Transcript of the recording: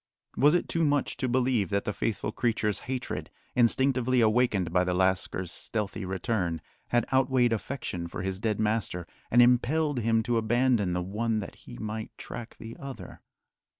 Was it too much to believe that the faithful creature's hatred, instinctively awakened by the lascar's stealthy return, had outweighed affection for his dead master and impelled him to abandon the one that he might track the other?